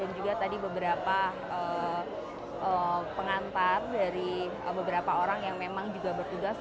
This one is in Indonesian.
dan juga tadi beberapa pengantar dari beberapa orang yang memang juga bertugas